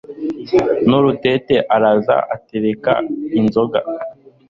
nurutete araza atekera inzoga